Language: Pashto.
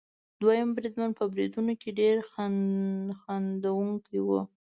دوهم بریدمن په بریتونو کې ډېر خندوونکی وو.